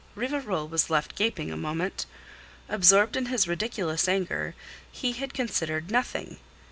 Rivarol was left gaping a moment. Absorbed in his ridiculous anger, he had considered nothing.